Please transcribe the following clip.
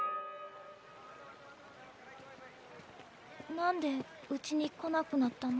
なんでうちに来なくなったの？